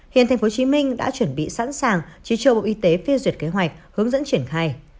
hiện tp hcm đã chuẩn bị sẵn sàng chỉ cho bộ y tế phê duyệt kế hoạch hướng dẫn triển khai